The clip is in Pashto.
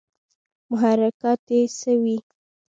محرکات ئې څۀ وي